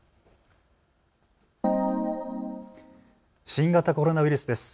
新型コロナウイルスです。